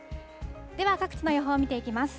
では、各地の予報を見ていきます。